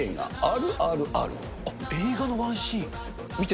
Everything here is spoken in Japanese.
映画のワンシーン？